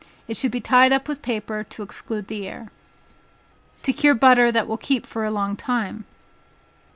It should be tied up with paper to exclude the air. To Cure Butter that will keep for a Length of Time.